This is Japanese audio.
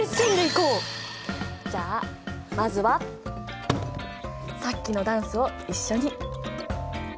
じゃあまずはさっきのダンスを一緒に！